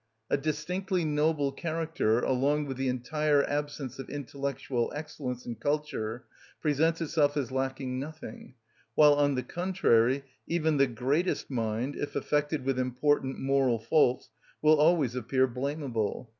A distinctly noble character along with the entire absence of intellectual excellence and culture presents itself as lacking nothing; while, on the contrary, even the greatest mind, if affected with important moral faults, will always appear blamable.